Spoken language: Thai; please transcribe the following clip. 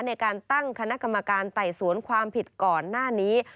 ในการตั้งคณะกรรมการไต่สวนความผิดก่อนหน้านี้